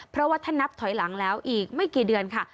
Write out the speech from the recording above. เพราะว่าถ้านับถอยหลังแล้วอีกไม่กี่เดือนค่ะ